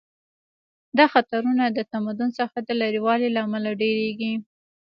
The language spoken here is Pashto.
دا خطرونه د تمدن څخه د لرې والي له امله ډیریږي